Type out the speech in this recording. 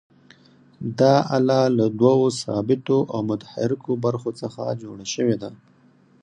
دا آله له دوو ثابتو او متحرکو برخو څخه جوړه شوې ده.